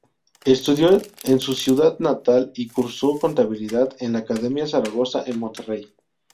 Estudió en su ciudad natal y cursó contabilidad en la Academia Zaragoza en Monterrey.